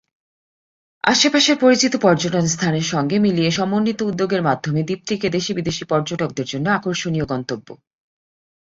আশেপাশের পরিচিত পর্যটন স্থানের সঙ্গে মিলিয়ে সমন্বিত উদ্যোগের মাধ্যমে দ্বীপটিকে দেশি-বিদেশি পর্যটকদের জন্য আকর্ষণীয় গন্তব্য।